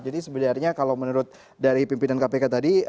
jadi sebenarnya kalau menurut dari pimpinan kpk tadi